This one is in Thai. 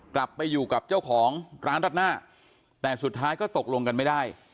กลับไปอยู่กับเจ้าของร้านรัดหน้าแต่สุดท้ายก็ตกลงกันไม่ได้